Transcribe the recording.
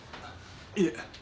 いえ。